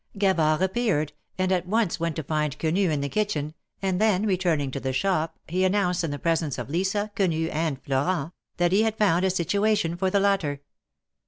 Gavard appeared, and at once went to find Quenu in the kitchen, and then, returning to the shop, he announced in the presence of Lisa, Quenu and Florent, that he had found a situation for the latter.